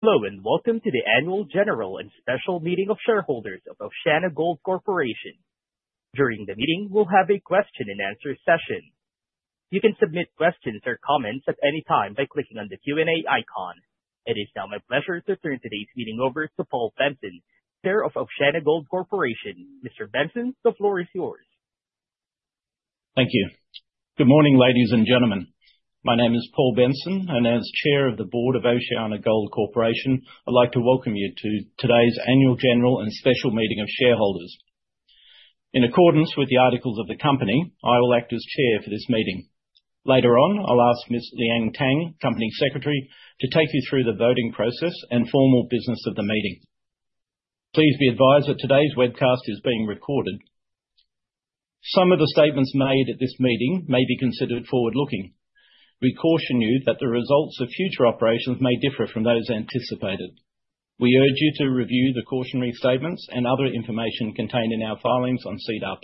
Hello, and welcome to the Annual General and Special Meeting of Shareholders of OceanaGold Corporation. During the meeting, we'll have a question and answer session. You can submit questions or comments at any time by clicking on the Q&A icon. It is now my pleasure to turn today's meeting over to Paul Benson, Chair of OceanaGold Corporation. Mr. Benson, the floor is yours. Thank you. Good morning, ladies and gentlemen. My name is Paul Benson, and as Chair of the Board of OceanaGold Corporation, I'd like to welcome you to today's Annual General and Special Meeting of Shareholders. In accordance with the articles of the company, I will act as chair for this meeting. Later on, I'll ask Ms. Liang Tang, Company Secretary, to take you through the voting process and formal business of the meeting. Please be advised that today's webcast is being recorded. Some of the statements made at this meeting may be considered forward-looking. We caution you that the results of future operations may differ from those anticipated. We urge you to review the cautionary statements and other information contained in our filings on SEDAR+,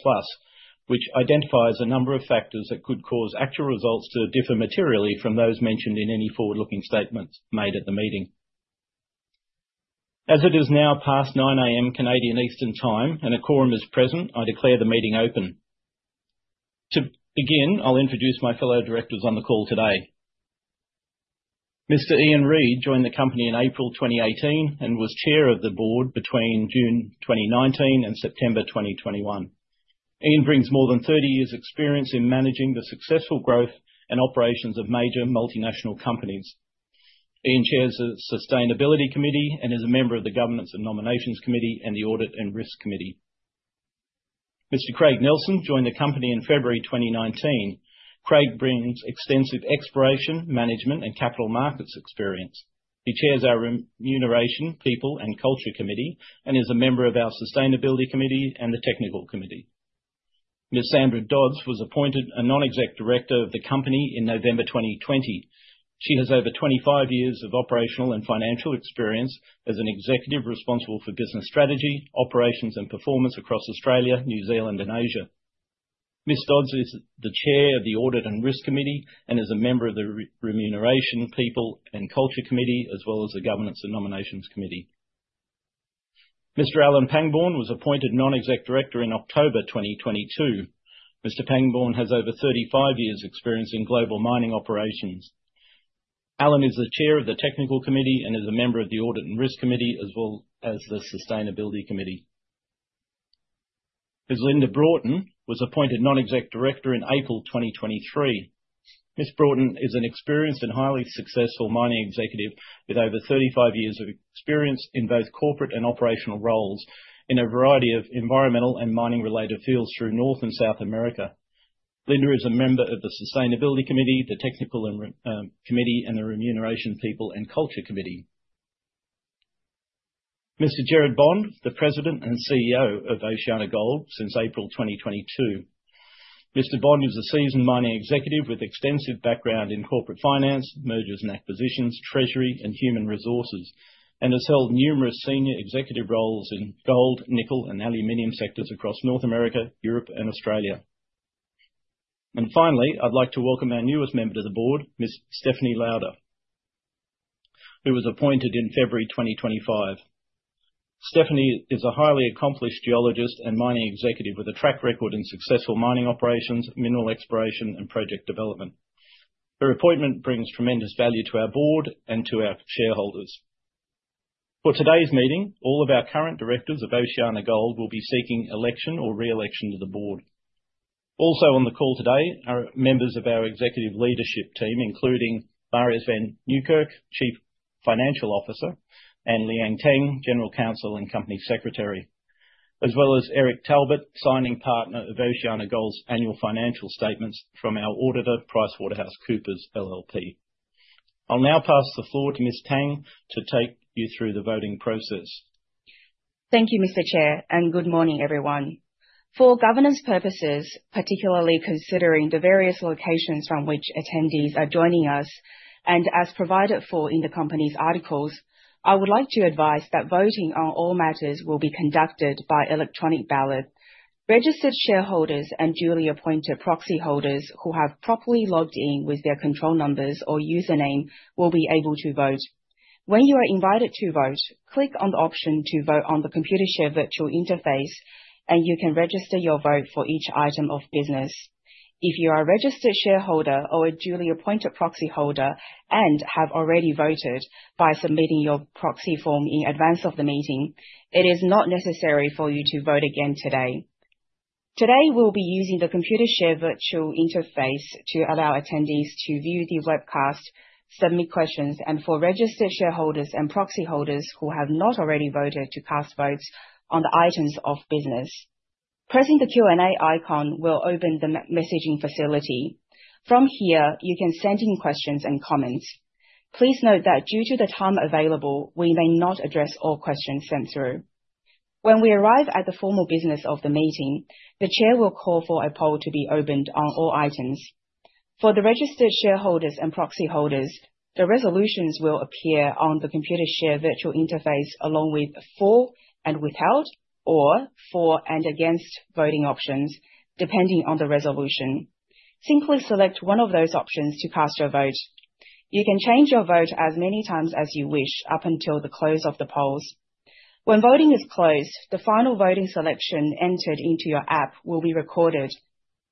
which identifies a number of factors that could cause actual results to differ materially from those mentioned in any forward-looking statements made at the meeting. As it is now past 9:00 AM Canadian Eastern Time and a quorum is present, I declare the meeting open. To begin, I'll introduce my fellow directors on the call today. Mr. Ian Reid joined the company in April 2018 and was Chair of the board between June 2019 and September 2021. Ian brings more than 30 years' experience in managing the successful growth and operations of major multinational companies. Ian chairs the Sustainability Committee and is a member of the Governance and Nominations Committee and the Audit and Risk Committee. Mr. Craig Nelsen joined the company in February 2019. Craig brings extensive exploration, management, and capital markets experience. He Chairs our Remuneration, People and Culture Committee and is a member of our Sustainability Committee and the Technical Committee. Ms. Sandra Dodds was appointed a non-exec director of the company in November 2020. She has over 25 years of operational and financial experience as an executive responsible for business strategy, operations, and performance across Australia, New Zealand, and Asia. Ms. Dodds is the Chair of the Audit and Risk Committee and is a member of the Remuneration, People and Culture Committee, as well as the Governance and Nominations Committee. Mr. Alan Pangbourne was appointed non-exec director in October 2022. Mr. Alan Pangbourne has over 35 years' experience in global mining operations. Alan is the Chair of the Technical Committee and is a member of the Audit and Risk Committee, as well as the Sustainability Committee. Ms. Linda Broughton was appointed Non-Executive Director in April 2023. Ms. Broughton is an experienced and highly successful mining executive with over 35 years of experience in both corporate and operational roles in a variety of environmental and mining-related fields through North and South America. Linda is a member of the Sustainability Committee, the Technical Committee, and the Remuneration, People and Culture Committee. Mr. Gerard Bond is the President and CEO of OceanaGold since April 2022. Mr. Bond is a seasoned mining executive with extensive background in corporate finance, mergers and acquisitions, treasury and human resources, and has held numerous senior executive roles in gold, nickel, and aluminum sectors across North America, Europe, and Australia. Finally, I'd like to welcome our newest member to the board, Ms. Stefanie Loader, who was appointed in February 2025. Stefanie is a highly accomplished geologist and mining executive with a track record in successful mining operations, mineral exploration, and project development. Her appointment brings tremendous value to our board and to our shareholders. For today's meeting, all of our current Directors of OceanaGold will be seeking election or re-election to the board. Also on the call today are members of our Executive Leadership Team, including Marius van Niekerk, Chief Financial Officer, and Liang Tang, General Counsel and Company Secretary, as well as Eric Talbot, signing partner of OceanaGold's annual financial statements from our auditor, PricewaterhouseCoopers LLP. I'll now pass the floor to Ms. Tang to take you through the voting process. Thank you, Mr. Chair, and good morning, everyone. For governance purposes, particularly considering the various locations from which attendees are joining us and as provided for in the company's articles, I would like to advise that voting on all matters will be conducted by electronic ballot. Registered shareholders and duly appointed proxy holders who have properly logged in with their control numbers or username will be able to vote. When you are invited to vote, click on the option to vote on the Computershare Virtual Interface, and you can register your vote for each item of business. If you are a registered shareholder or a duly appointed proxy holder and have already voted by submitting your proxy form in advance of the meeting, it is not necessary for you to vote again today. Today, we'll be using the Computershare Virtual Interface to allow attendees to view the webcast, submit questions, and for registered shareholders and proxy holders who have not already voted to cast votes on items of business. Pressing the Q&A icon will open the messaging facility. From here, you can send in questions and comments. Please note that due to the time available, we may not address all questions sent through. When we arrive at the formal business of the meeting, the chair will call for a poll to be opened on all items. For the registered shareholders and proxy holders, the resolutions will appear on the Computershare Virtual Interface along with for and without or for and against voting options, depending on the resolution. Simply select one of those options to cast your vote. You can change your vote as many times as you wish up until the close of the polls. When voting is closed, the final voting selection entered into your app will be recorded.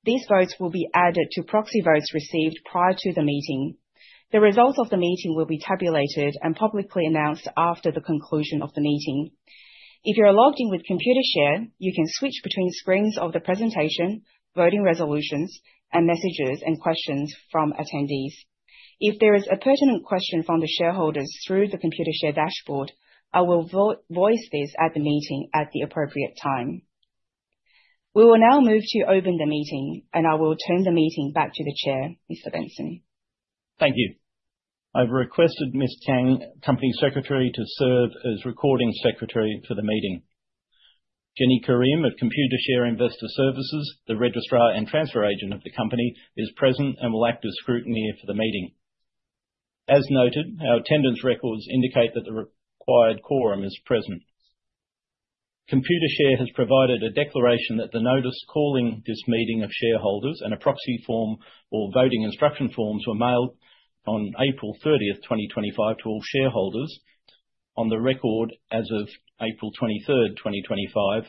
These votes will be added to proxy votes received prior to the meeting. The results of the meeting will be tabulated and publicly announced after the conclusion of the meeting. If you are logged in with Computershare, you can switch between screens of the presentation, voting resolutions, and messages and questions from attendees. If there is a pertinent question from the shareholders through the Computershare dashboard, I will voice this at the meeting at the appropriate time. We will now move to open the meeting, and I will turn the meeting back to the Chair, Mr. Benson. Thank you. I've requested Ms. Tang, Company Secretary, to serve as recording secretary for the meeting. Jenny Karim of Computershare Investor Services, the registrar and transfer agent of the company, is present and will act as scrutineer for the meeting. As noted, our attendance records indicate that the required quorum is present. Computershare has provided a declaration that the notice calling this meeting of shareholders and a proxy form or voting instruction forms were mailed on April 30th, 2025 to all shareholders on the record as of April 23rd, 2025,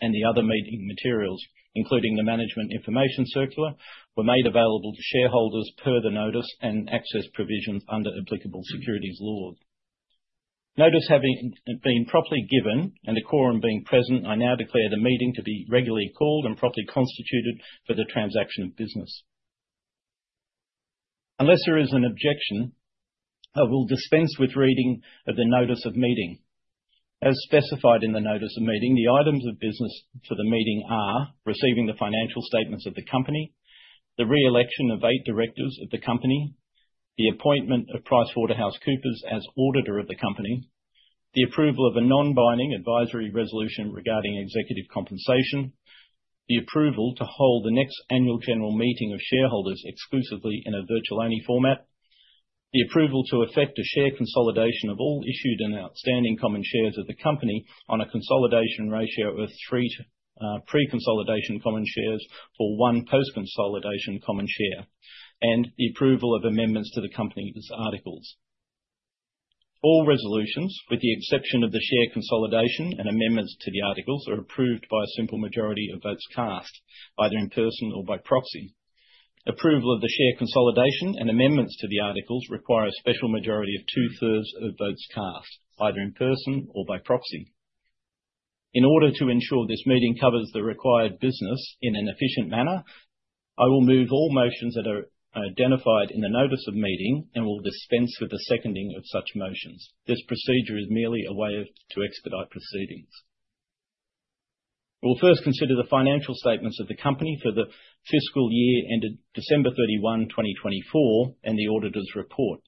and the other meeting materials, including the management information circular, were made available to shareholders per the notice and access provisions under applicable securities laws. Notice having been properly given and a quorum being present, I now declare the meeting to be regularly called and properly constituted for the transaction of business. Unless there is an objection, I will dispense with reading of the notice of meeting. As specified in the notice of meeting, the items of business for the meeting are receiving the financial statements of the company, the re-election of eight directors of the company, the appointment of PricewaterhouseCoopers as auditor of the company, the approval of a non-binding advisory resolution regarding executive compensation, the approval to hold the next annual general meeting of shareholders exclusively in a virtual-only format, the approval to effect a share consolidation of all issued and outstanding common shares of the company on a consolidation ratio of three pre-consolidation common shares for one post-consolidation common share, and the approval of amendments to the company's articles. All resolutions, with the exception of the share consolidation and amendments to the articles, are approved by a simple majority of votes cast, either in person or by proxy. Approval of the share consolidation and amendments to the articles require a special majority of 2/3 of votes cast, either in person or by proxy. In order to ensure this meeting covers the required business in an efficient manner, I will move all motions that are identified in the notice of meeting and will dispense with the seconding of such motions. This procedure is merely a way to expedite proceedings. We'll first consider the financial statements of the company for the fiscal year ended December 31, 2024, and the auditor's report.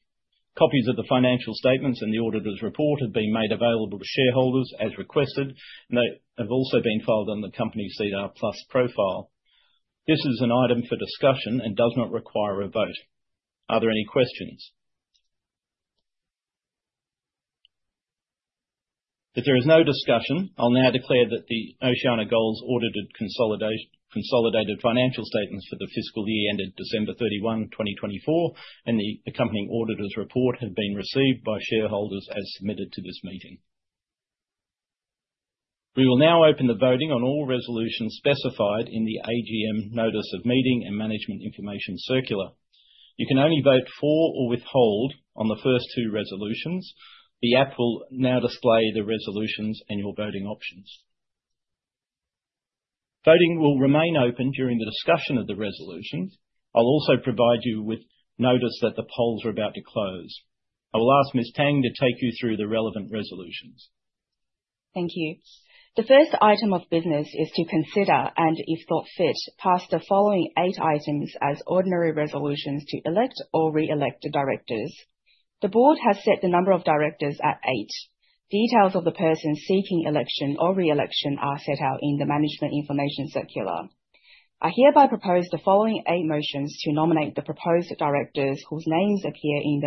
Copies of the financial statements and the auditor's report have been made available to shareholders as requested. They have also been filed on the company's SEDAR+ profile. This is an item for discussion and does not require a vote. Are there any questions? If there is no discussion, I'll now declare that the OceanaGold's audited consolidated financial statements for the fiscal year ended December 31, 2024, and the accompanying auditor's report have been received by shareholders as submitted to this meeting. We will now open the voting on all resolutions specified in the AGM notice of meeting and management information circular. You can only vote for or withhold on the first two resolutions. The app will now display the resolutions and your voting options. Voting will remain open during the discussion of the resolutions. I'll also provide you with notice that the polls are about to close. I will ask Ms. Tang to take you through the relevant resolutions. Thank you. The first item of business is to consider, and if thought fit, pass the following eight items as ordinary resolutions to elect or re-elect the directors. The board has set the number of directors at eight. Details of the persons seeking election or re-election are set out in the management information circular. I hereby propose the following eight motions to nominate the proposed directors whose names appear in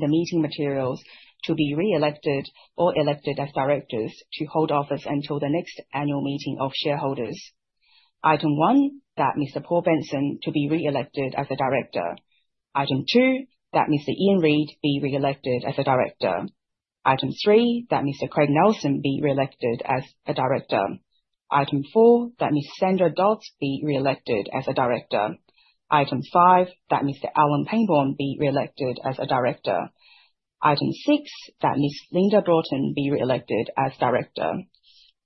the meeting materials to be re-elected or elected as directors to hold office until the next annual meeting of shareholders. Item one, that Mr. Paul Benson to be re-elected as a Director. Item two, that Mr. Ian Reid be re-elected as a Director. Item three, that Mr. Craig Nelsen be re-elected as a Director. Item four, that Ms. Sandra Dodds be re-elected as a Director. Item five, that Mr. Alan Pangbourne be re-elected as a Director. Item six, that Ms. Linda Broughton be re-elected as Director.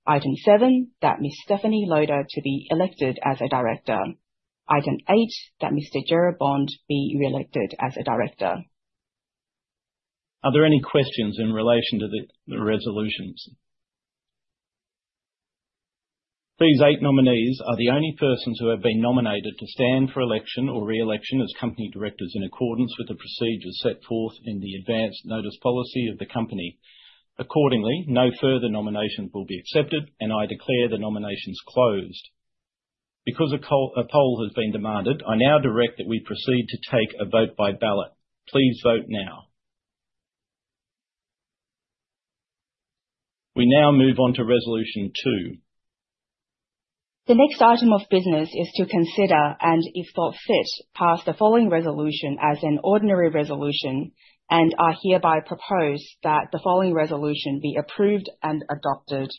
Item seven, that Ms. Stefanie Loader to be elected as a Director. Item eight, that Mr. Gerard Bond be re-elected as a Director. Are there any questions in relation to the resolutions? These eight nominees are the only persons who have been nominated to stand for election or re-election as company directors in accordance with the procedures set forth in the advanced notice policy of the company. Accordingly, no further nominations will be accepted, and I declare the nominations closed. Because a poll has been demanded, I now direct that we proceed to take a vote by ballot. Please vote now. We now move on to Resolution two. The next item of business is to consider, and if thought fit, pass the following resolution as an ordinary resolution, and I hereby propose that the following resolution be approved and adopted.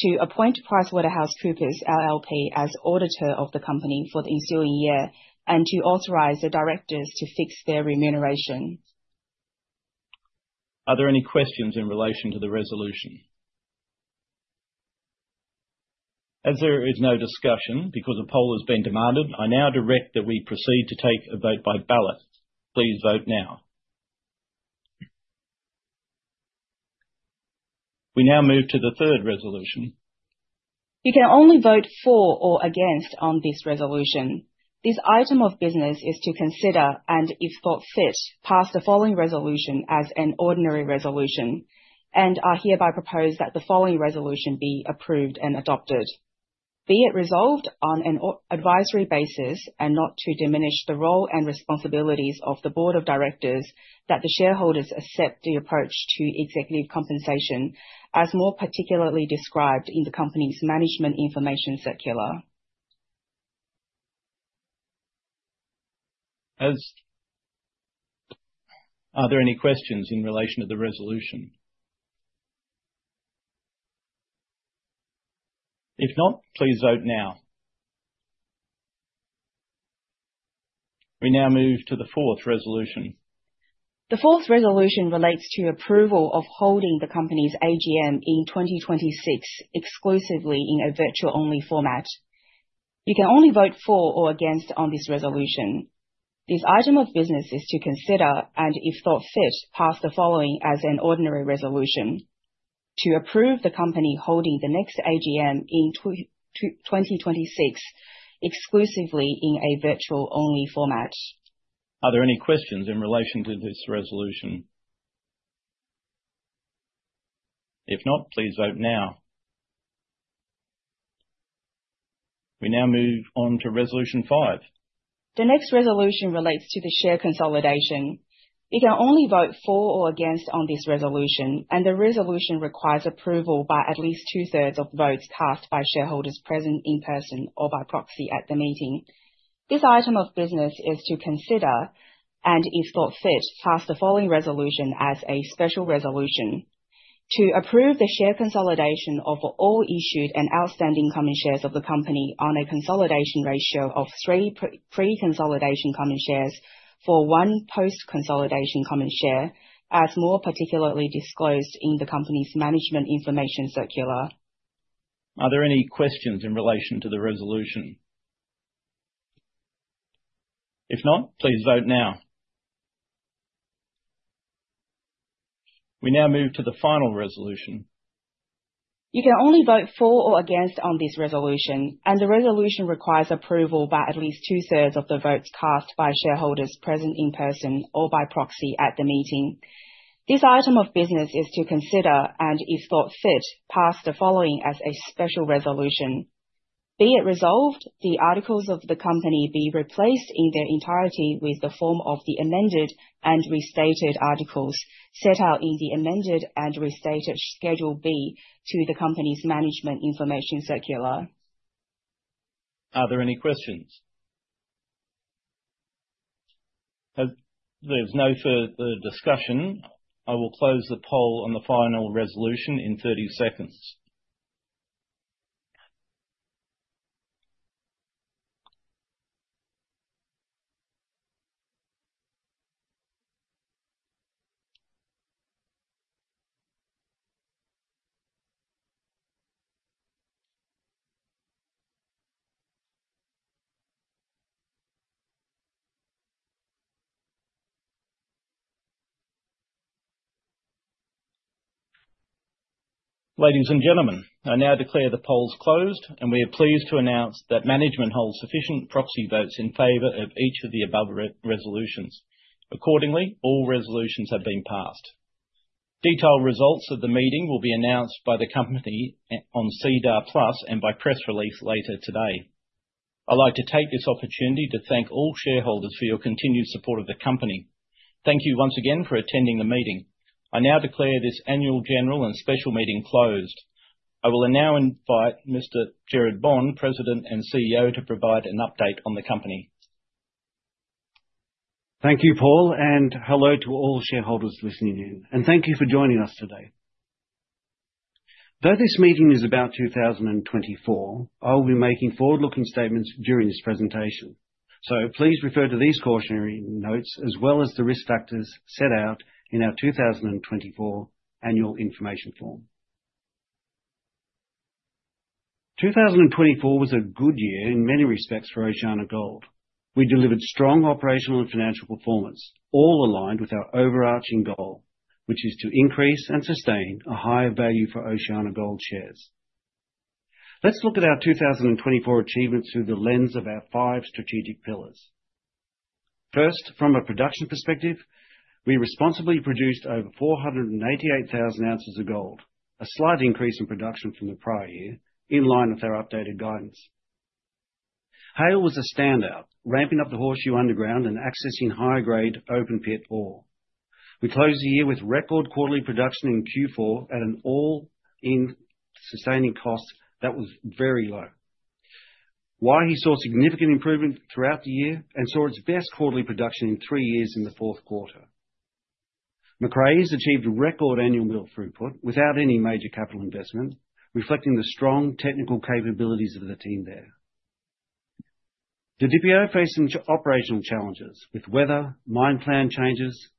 To appoint PricewaterhouseCoopers LLP as auditor of the company for the ensuing year, and to authorize the directors to fix their remuneration. Are there any questions in relation to the resolution? As there is no discussion because a poll has been demanded, I now direct that we proceed to take the vote by ballot. Please vote now. We now move to the third resolution. You can only vote for or against on this resolution. This item of business is to consider, and if thought fit, pass the following resolution as an ordinary resolution, and I hereby propose that the following resolution be approved and adopted. Be it resolved on an advisory basis and not to diminish the role and responsibilities of the board of directors that the shareholders accept the approach to executive compensation, as more particularly described in the company's management information circular. Are there any questions in relation to the resolution? If not, please vote now. We now move to the fourth resolution. The fourth resolution relates to approval of holding the company's AGM in 2026 exclusively in a virtual-only format. You can only vote for or against on this resolution. This item of business is to consider, and if thought fit, pass the following as an ordinary resolution. To approve the company holding the next AGM in 2026 exclusively in a virtual-only format. Are there any questions in relation to this resolution? If not, please vote now. We now move on to Resolution five. The next resolution relates to the share consolidation. You can only vote for or against on this resolution. The resolution requires approval by at least 2/3 of the votes cast by shareholders present in person or by proxy at the meeting. This item of business is to consider, and if thought fit, pass the following resolution as a special resolution. To approve the share consolidation of all issued and outstanding common shares of the company on a consolidation ratio of three pre-consolidation common shares for one post-consolidation common share, as more particularly disclosed in the company's management information circular. Are there any questions in relation to the resolution? If not, please vote now. We now move to the final resolution. You can only vote for or against on this resolution, and the resolution requires approval by at least two-thirds of the votes cast by shareholders present in person or by proxy at the meeting. This item of business is to consider, and if thought fit, pass the following as a special resolution. Be it resolved the articles of the company be replaced in their entirety with the form of the amended and restated articles set out in the amended and restated Schedule B to the company's management information circular. Are there any questions? As there's no further discussion, I will close the poll on the final resolution in 30 seconds. Ladies and gentlemen, I now declare the polls closed, and we are pleased to announce that management holds sufficient proxy votes in favor of each of the above resolutions. Accordingly, all resolutions have been passed. Detailed results of the meeting will be announced by the company on SEDAR+ and by press release later today. I'd like to take this opportunity to thank all shareholders for your continued support of the company. Thank you once again for attending the meeting. I now declare this Annual General and Special Meeting closed. I will now invite Mr. Gerard Bond, President and CEO, to provide an update on the company. Thank you, Paul. Hello to all shareholders listening in, and thank you for joining us today. Though this meeting is about 2024, I will be making forward-looking statements during this presentation. Please refer to these cautionary notes as well as the risk factors set out in our 2024 Annual Information Form. 2024 was a good year in many respects for OceanaGold. We delivered strong operational and financial performance, all aligned with our overarching goal, which is to increase and sustain a higher value for OceanaGold shares. Let's look at our 2024 achievements through the lens of our five strategic pillars. First, from a production perspective, we responsibly produced over 488,000 oz of gold, a slight increase in production from the prior year, in line with our updated guidance. Haile was a standout, ramping up the Horseshoe Underground and accessing high-grade open pit ore. We closed the year with record quarterly production in Q4 at an all-in sustaining cost that was very low. Waihi saw significant improvement throughout the year and saw its best quarterly production in three years in the fourth quarter. Macraes achieved a record annual mill throughput without any major capital investment, reflecting the strong technical capabilities of the team there. Didipio faced some operational challenges with weather, mine plan changes,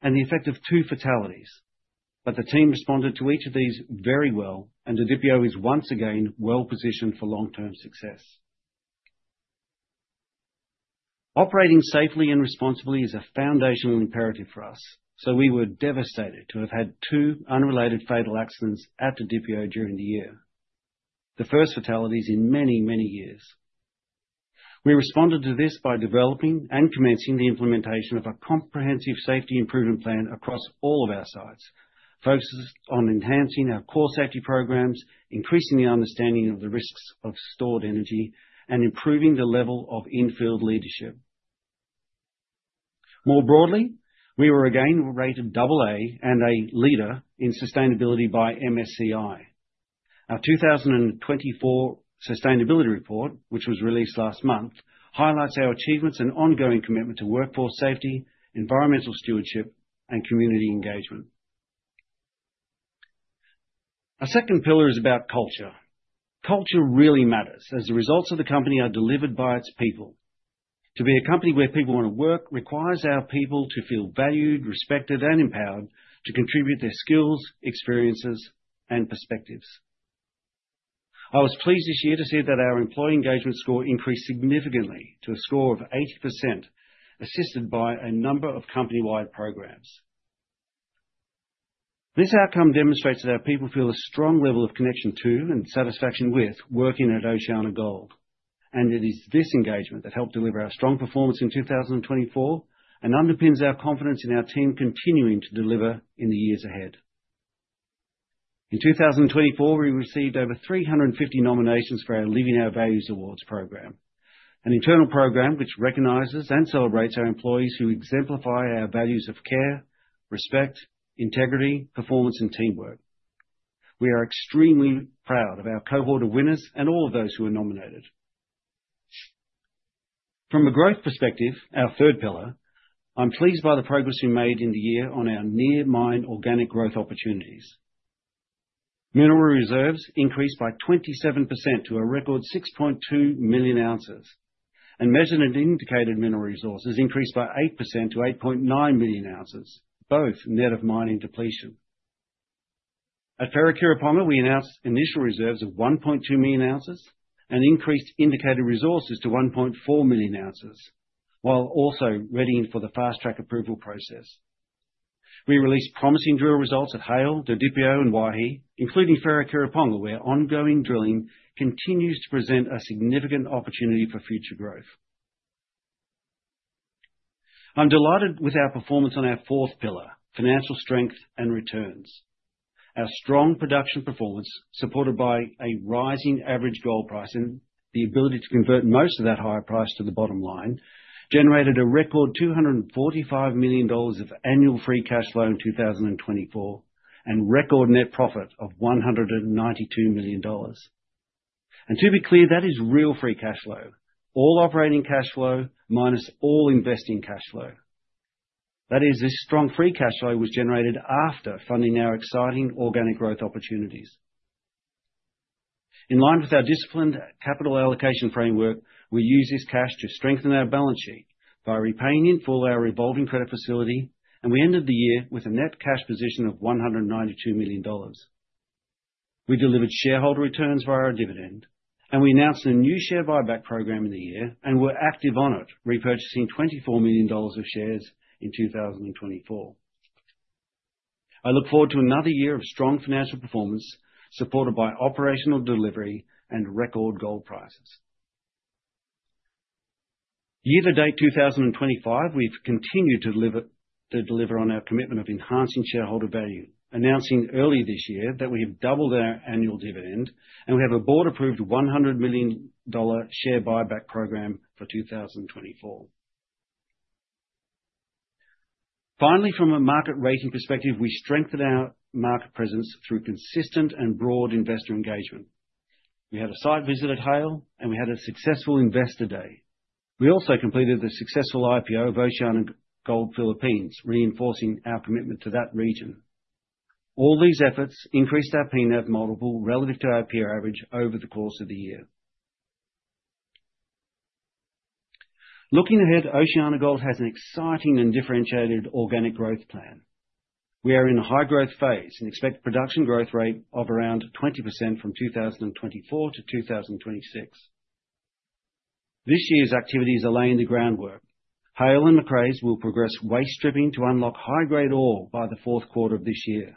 and the effect of two fatalities, but the team responded to each of these very well, and Didipio is once again well-positioned for long-term success. Operating safely and responsibly is a foundational imperative for us, so we were devastated to have had two unrelated fatal accidents at Didipio during the year. The first fatalities in many, many years. We responded to this by developing and commencing the implementation of a comprehensive safety improvement plan across all of our sites, focused on enhancing our core safety programs, increasing the understanding of the risks of stored energy, and improving the level of in-field leadership. More broadly, we were again rated AA and a leader in sustainability by MSCI. Our 2024 Sustainability Report, which was released last month, highlights our achievements and ongoing commitment to workforce safety, environmental stewardship, and community engagement. Our second pillar is about culture. Culture really matters, as the results of the company are delivered by its people. To be a company where people want to work requires our people to feel valued, respected, and empowered to contribute their skills, experiences, and perspectives. I was pleased this year to see that our employee engagement score increased significantly to a score of 80%, assisted by a number of company-wide programs. This outcome demonstrates that our people feel a strong level of connection to and satisfaction with working at OceanaGold, and it is this engagement that helped deliver our strong performance in 2024 and underpins our confidence in our team continuing to deliver in the years ahead. In 2024, we received over 350 nominations for our Living Our Values Awards program, an internal program which recognizes and celebrates our employees who exemplify our values of care, respect, integrity, performance, and teamwork. We are extremely proud of our cohort of winners and all of those who were nominated. From a growth perspective, our third pillar, I'm pleased by the progress we made in the year on our near mine organic growth opportunities. Mineral reserves increased by 27% to a record 6,200,000 oz, and measured and indicated mineral resources increased by 8% to 8,900,000 oz, both net of mining depletion. At Wharekirauponga, we announced initial reserves of 1,200,000 oz and increased indicated resources to 1,400,000 oz, while also readying for the fast-track approval process. We released promising drill results at Haile, Didipio, and Waihi, including Wharekirauponga, where ongoing drilling continues to present a significant opportunity for future growth. I'm delighted with our performance on our fourth pillar, financial strength and returns. Our strong production performance, supported by a rise in average gold price and the ability to convert most of that higher price to the bottom line, generated a record $245 million of annual free cash flow in 2024 and record net profit of $192 million. To be clear, that is real free cash flow, all operating cash flow minus all investing cash flow. That is, this strong free cash flow was generated after funding our exciting organic growth opportunities. In line with our disciplined capital allocation framework, we used this cash to strengthen our balance sheet by repaying in full our revolving credit facility, and we ended the year with a net cash position of $192 million. We delivered shareholder returns via our dividend, and we announced a new share buyback program in the year and were active on it, repurchasing $24 million of shares in 2024. I look forward to another year of strong financial performance, supported by operational delivery and record gold prices. Year to date 2025, we've continued to deliver on our commitment of enhancing shareholder value, announcing earlier this year that we have doubled our annual dividend and we have a board-approved $100 million share buyback program for 2024. Finally, from a market rating perspective, we strengthened our market presence through consistent and broad investor engagement. We had a site visit at Haile, and we had a successful investor day. We also completed the successful IPO of OceanaGold Philippines, reinforcing our commitment to that region. All these efforts increased our P/NAV multiple relative to our peer average over the course of the year. Looking ahead, OceanaGold has an exciting and differentiated organic growth plan. We are in a high growth phase and expect production growth rate of around 20% from 2024-2026. This year's activities are laying the groundwork. Haile and Macraes will progress waste stripping to unlock high-grade ore by the fourth quarter of this year.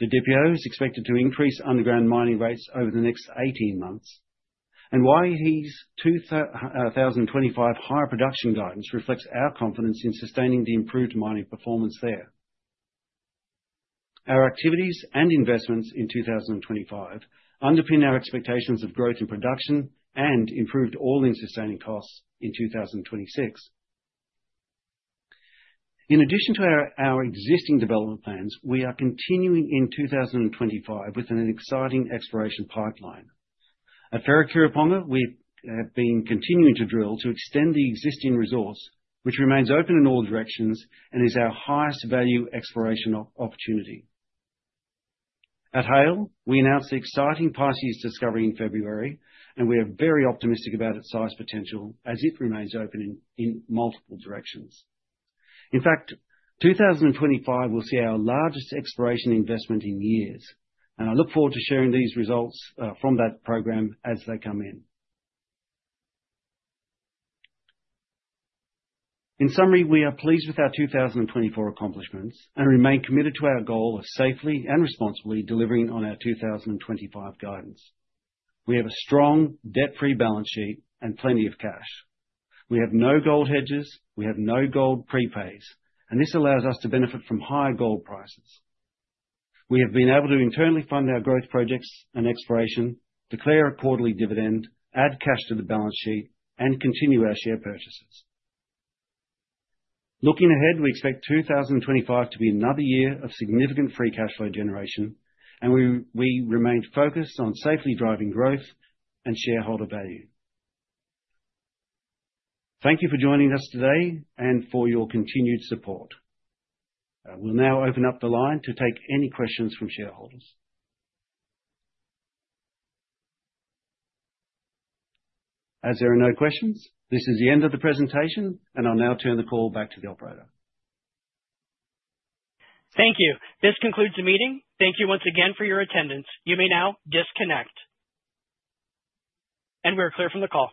Didipio is expected to increase underground mining rates over the next 18 months. Waihi's 2025 higher production guidance reflects our confidence in sustaining the improved mining performance there. Our activities and investments in 2025 underpin our expectations of growth in production and improved all-in sustaining costs in 2026. In addition to our existing development plans, we are continuing in 2025 with an exciting exploration pipeline. At Wharekirauponga, we have been continuing to drill to extend the existing resource, which remains open in all directions and is our highest-value exploration opportunity. At Haile, we announced the exciting Perseus discovery in February, and we are very optimistic about its size potential as it remains open in multiple directions. In fact, 2025 will see our largest exploration investment in years, and I look forward to sharing these results from that program as they come in. In summary, we are pleased with our 2024 accomplishments and remain committed to our goal of safely and responsibly delivering on our 2025 guidance. We have a strong debt-free balance sheet and plenty of cash. We have no gold hedges. We have no gold prepays, and this allows us to benefit from higher gold prices. We have been able to internally fund our growth projects and exploration, declare a quarterly dividend, add cash to the balance sheet, and continue our share purchases. Looking ahead, we expect 2025 to be another year of significant free cash flow generation, and we remain focused on safely driving growth and shareholder value. Thank you for joining us today and for your continued support. I will now open up the line to take any questions from shareholders. As there are no questions, this is the end of the presentation, and I'll now turn the call back to the operator. Thank you. This concludes the meeting. Thank you once again for your attendance. You may now disconnect. We are clear from the call.